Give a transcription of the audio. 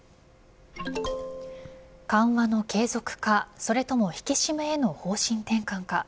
緩和の継続か、それとも引き締めへの方針転換か。